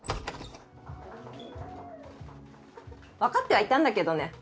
わかってはいたんだけどね。